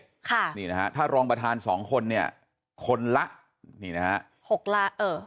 ค่ะนี่นะฮะถ้ารองประธานสองคนเนี่ยคนละนี่นะฮะหกละเออ